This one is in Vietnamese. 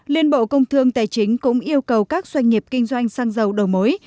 liên bộ công thương tài chính cũng yêu cầu các doanh nghiệp kinh doanh xăng dầu đầu mối